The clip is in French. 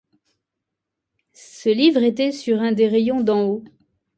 Ce livre était sur un des rayons d'en haut.